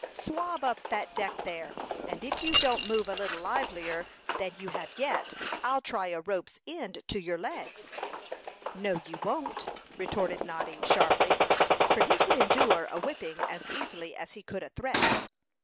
"Swab up that deck there; and if you don't move a little livelier than you have yet, I'll try a rope's end to your legs." "No, you won't!" retorted Noddy, sharply, for he could endure a whipping as easily as he could a threat.